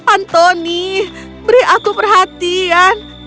anthony beri aku perhatian